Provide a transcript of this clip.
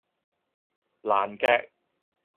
爛 gag